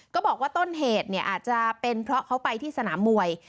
ก็บอกว่าต้นเหตุเนี่ยอาจจะเป็นเพราะเขาไปที่สนามมวย